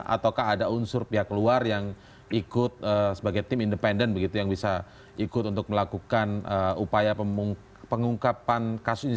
ataukah ada unsur pihak luar yang ikut sebagai tim independen begitu yang bisa ikut untuk melakukan upaya pengungkapan kasus ini